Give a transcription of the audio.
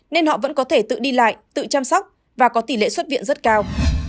nên họ vẫn có thể tự đi lại tự chăm sóc và có tỷ lệ xuất viện rất cao